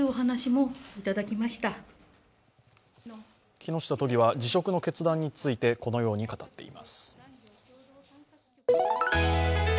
木下都議は辞職の決断についてこのように語っています。